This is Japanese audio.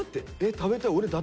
食べたい！